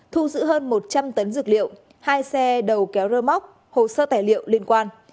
thu giữ hơn một trăm linh tấn dược liệu hai xe đầu kéo rơ móc hồ sơ tài liệu liên quan